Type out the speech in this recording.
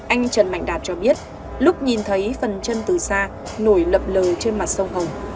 anh trần mạnh đạt cho biết lúc nhìn thấy phần chân từ xa nổi lập lờ trên mặt sông hồng